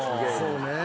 そうね。